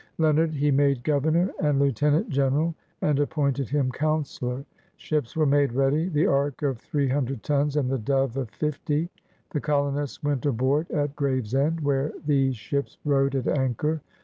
Leon ard he made Governor and Lieutenant general, and appointed him coimcilor. Ships were made ready — the Ark of three himdred tons and the Z)ot?e of fifty. The colonists went aboard at Graves end» where these ships rode at anchor.